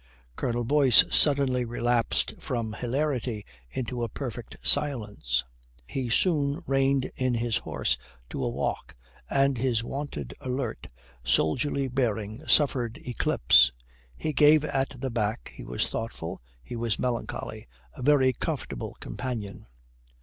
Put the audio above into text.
Colonel Boyce suddenly relapsed from hilarity into a perfect silence. He soon reined his horse to a walk, and his wonted alert, soldierly bearing suffered eclipse. He gave at the back, he was thoughtful, he was melancholy a very comfortable companion.